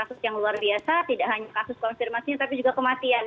kasus yang luar biasa tidak hanya kasus konfirmasinya tapi juga kematian